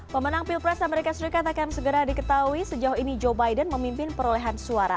pemenang pilpres amerika serikat akan segera diketahui sejauh ini joe biden memimpin perolehan suara